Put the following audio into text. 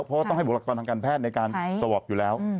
อุปกรณ์ทางการแพทย์ในการตวบอบอยู่แล้ว